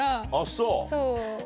そう。